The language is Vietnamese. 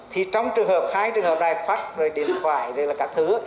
thì trong trường hợp hai trường hợp này pháp điện thoại các thứ